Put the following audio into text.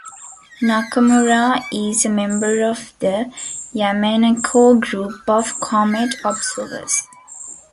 Nakamura is a member of the Yamaneko Group of Comet Observers.